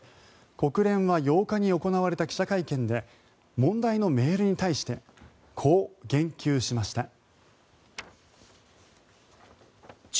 国連は８日に行われた記者会見で問題のメールに対してこう言及しました。